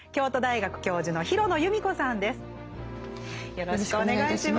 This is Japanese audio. よろしくお願いします。